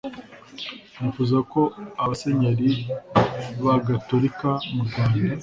nifuza ko abasenyeri bagatolika mu rwanda